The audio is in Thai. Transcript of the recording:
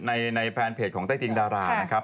ในแฟนเพจของใต้ติงดารานะครับ